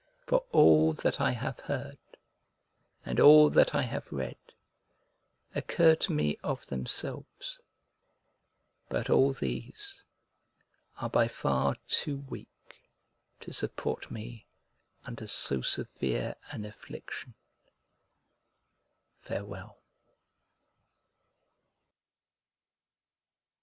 For all that I have heard, and all that I have read, occur to me of themselves; but all these are by far too weak to support me under so severe an affliction. Farewell.